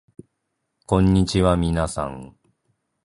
こんにちはみなさん